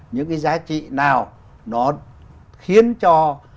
những cái giá trị nào nó khiến cho